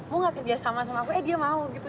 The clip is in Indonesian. mau gak kerjasama sama aku eh dia mau gitu